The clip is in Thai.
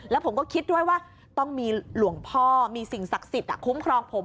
แล้วผมก็คิดด้วยว่าต้องมีหลวงพ่อมีสิ่งศักดิ์สิทธิ์คุ้มครองผม